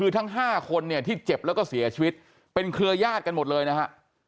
ทั้ง๕คนเนี่ยที่เจ็บแล้วก็เสียชีวิตเป็นเครือญาติกันหมดเลยนะฮะ